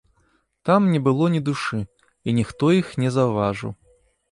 Там не было ні душы, і ніхто іх не заўважыў.